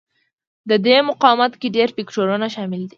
د دې مقاومت کې ډېر فکټورونه شامل دي.